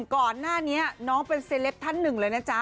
ก่อนหน้านี้น้องเป็นเซเลปต์ท่านหนึ่งเลย